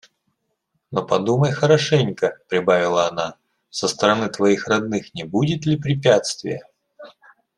«Но подумай хорошенько, – прибавила она, – со стороны твоих родных не будет ли препятствия?»